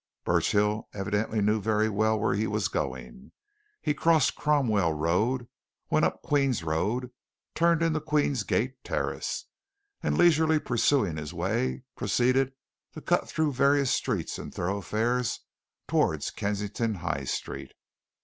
Burchill evidently knew very well where he was going. He crossed Cromwell Road, went up Queen's Road, turned into Queen's Gate Terrace, and leisurely pursuing his way, proceeded to cut through various streets and thoroughfares towards Kensington High Street.